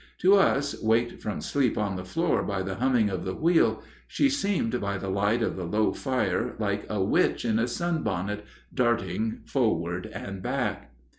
To us, waked from sleep on the floor by the humming of the wheel, she seemed by the light of the low fire like a witch in a sunbonnet, darting forward and back.